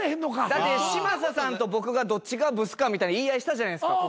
だって嶋佐さんと僕がどっちがブスかみたいな言い合いしたじゃないですか